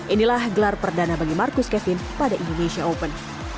inilah gelar perdana bagi marcus kevin pada indonesia open